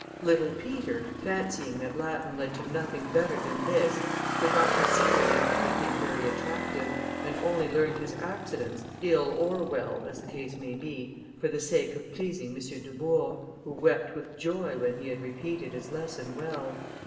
Little Peter, fancying that Latin led to nothing better than this, could not perceive in it anything very attractive, and only learned his Accidence, ill or well as the case might be, for the sake of pleasing M. Dubourg, who wept with joy when he had repeated his lesson well.